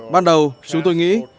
ban đầu chúng tôi nghĩ